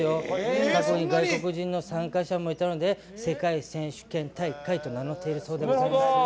過去には外国人の参加者もいたので世界選手権大会と名乗っているそうです。